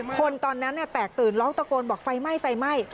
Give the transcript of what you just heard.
คนตอนนั้นแตกตื่นร้องตะโกนบอกไฟไหม้ไฟไหม้